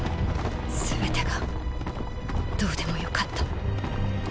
すべてがどうでもよかった。